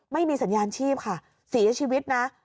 ไม่มีสัญญาณชีพค่ะเสียชีวิตนะ